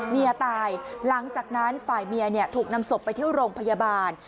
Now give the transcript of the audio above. เมียตายหลังจากนั้นฝ่ายเมียถูกนำศพไปที่โรงพยาบาล